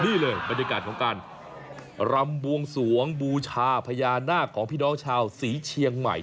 นี่เลยบรรยากาศของการรำบวงสวงบูชาพญานาคของพี่น้องชาวศรีเชียงใหม่